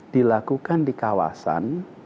dilakukan di kawasan